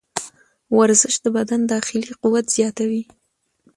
ورزش د بدن داخلي قوت زیاتوي.